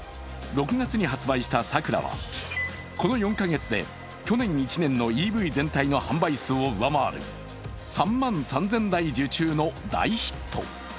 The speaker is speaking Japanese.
６月に発売したサクラは、この４カ月で去年１年間のＥＶ全体の販売数を上回る３万３０００台受注の大ヒット。